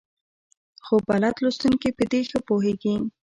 خو بلد لوستونکي په دې ښه پوهېږي.